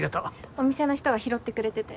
お店の人が拾ってくれてて。